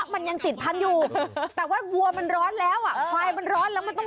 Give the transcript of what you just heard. ไปหัวมันห่อนแหง